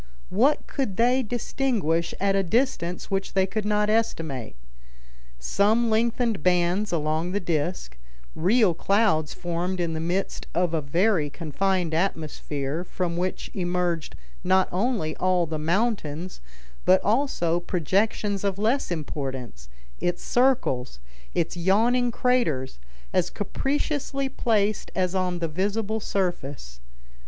What could they distinguish at a distance which they could not estimate? Some lengthened bands along the disc, real clouds formed in the midst of a very confined atmosphere, from which emerged not only all the mountains, but also projections of less importance; its circles, its yawning craters, as capriciously placed as on the visible surface.